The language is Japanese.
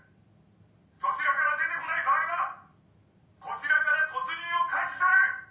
・・そちらから出て来ない場合はこちらから突入を開始する！